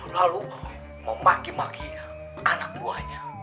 lalu memaki maki anak buahnya